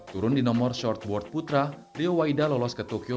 turun di nomor shortboard putra rio waida lolos ke tokyo